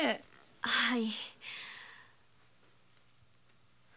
はい。